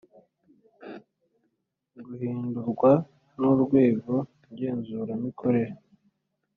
guhindurwa n Urwego Ngenzuramikorere